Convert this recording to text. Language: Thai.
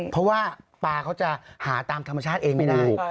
เพราะว่าปลาเขาจะหาตามธรรมชาติเองไม่ได้